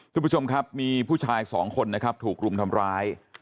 คุณผู้ชมครับมีผู้ชายสองคนนะครับถูกรุมทำร้าย